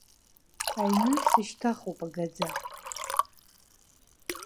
Аҩны сышьҭахуп агаӡа.